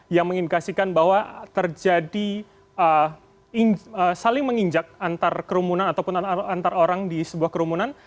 yang mengindikasikan bahwa terjadi saling menginjak antar kerumunan ataupun antar orang di sebuah kerumunan